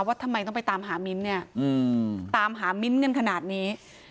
ว่าทำไมต้องไปตามหามิ้นเนี่ยตามหามิ้นท์กันขนาดนี้